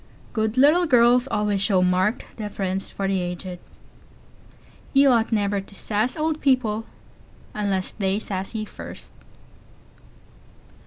Good little girls always show marked deference for the aged. You ought never to "sass" old people unless they "sass" you first.